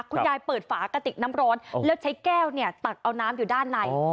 คุณยายเปิดฝากะติกน้ำร้อนแล้วใช้แก้วตักเอาน้ำอยู่ด้านใน